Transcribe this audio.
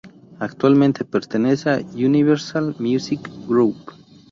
Actualmente pertenece a Universal Music Group.